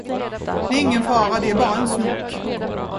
Det är ingen fara, det är bara en snok.